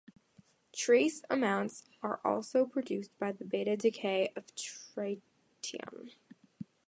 Trace amounts are also produced by the beta decay of tritium.